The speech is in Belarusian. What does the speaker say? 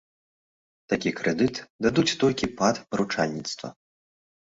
Такі крэдыт дадуць толькі пад паручальніцтва.